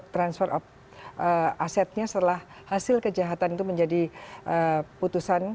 transfer of asetnya setelah hasil kejahatan itu menjadi putusan